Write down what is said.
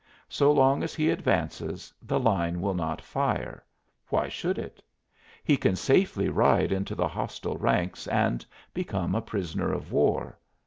So long as he advances, the line will not fire why should it? He can safely ride into the hostile ranks and become a prisoner of war.